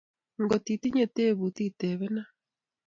Ngot itinye tebut itepenan